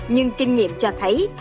nhưng kinh nghiệm cho thấy